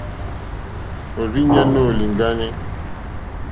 Òrzìɲɛ́ nóò lìŋɡáné.